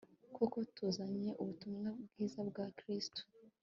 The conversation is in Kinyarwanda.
koko tuzanye ubutumwa bwiza bwa kristo